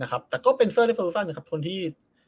นะครับแต่ก็เป็นเซิร์ตและเฟลูซันนะครับคนที่